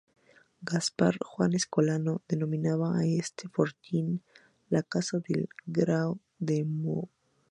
Gaspar Juan Escolano, denominaba a este fortín "la casa del Grao de Murviedro".